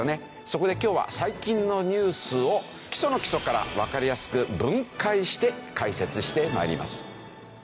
そこで今日は最近のニュースを基礎の基礎からわかりやすく分解して解説して参ります。